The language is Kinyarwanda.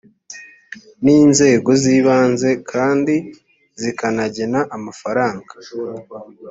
n inzego z ibanze kandi zikanagena amafaranga